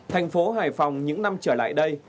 thành phố hải phòng những năm trở lại đây